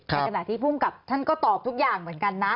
ขณะที่ภูมิกับท่านก็ตอบทุกอย่างเหมือนกันนะ